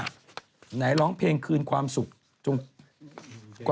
ขวัญการหนาวล้องเพลงคืนความสุข